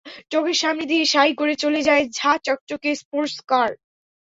চোখের সামনে দিয়ে শাঁই করে চলে যায় ঝাঁ চকচকে স্পোর্টস কার।